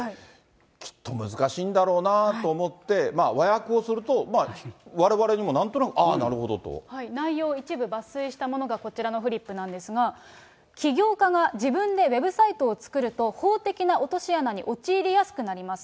きっと難しいんだろうなと思って、和訳をすると、われわれにもなんとなく、ああ、内容、一部抜粋したものがこちらのフリップなんですが、起業家が自分でウェブサイトを作ると、法的な落とし穴に陥りやすくなります。